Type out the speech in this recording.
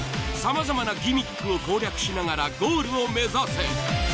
さまざまなギミックを攻略しながらゴールを目指せ！